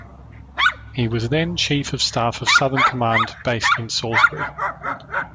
He was then Chief of Staff of Southern Command, based in Salisbury.